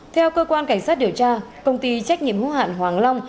theo cơ quan cảnh sát điều tra công ty trách nhiệm hữu hạn hoàng long